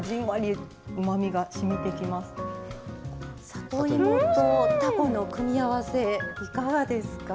里芋とたこの組み合わせいかがですか？